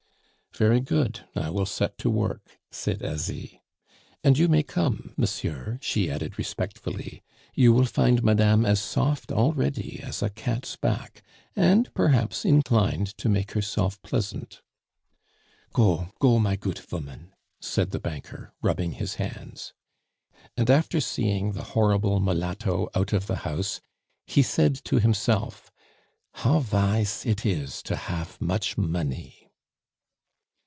"Very good, I will set to work," said Asie. "And you may come, monsieur," she added respectfully. "You will find madame as soft already as a cat's back, and perhaps inclined to make herself pleasant." "Go, go, my goot voman," said the banker, rubbing his hands. And after seeing the horrible mulatto out of the house, he said to himself: "How vise it is to hafe much money."